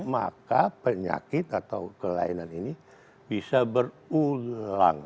maka penyakit atau kelainan ini bisa berulang